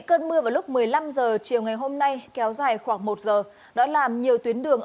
cơn mưa vào lúc một mươi năm h chiều ngày hôm nay kéo dài khoảng một giờ đã làm nhiều tuyến đường